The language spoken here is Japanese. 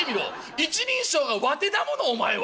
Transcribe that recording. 一人称が『わて』だものお前は。